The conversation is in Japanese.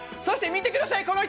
そして見てください